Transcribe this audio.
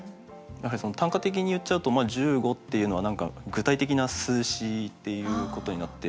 短歌的に言っちゃうと「十五」っていうのは何か具体的な数詞っていうことになるんですけど。